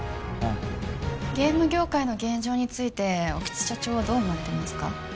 あゲーム業界の現状について興津社長はどう思われてますか？